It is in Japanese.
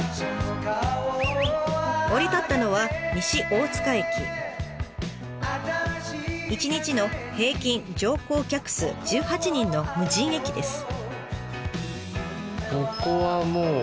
降り立ったのは一日の平均乗降客数１８人の無人駅です。